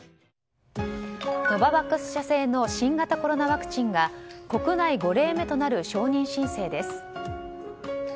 ノババックス社製の新型コロナワクチンが国内５例目となる承認申請です。